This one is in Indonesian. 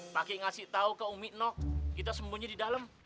pakai ngasih tahu ke umi nok kita sembunyi di dalam